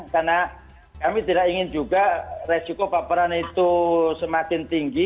karena kami tidak ingin juga resiko papanan itu semakin tinggi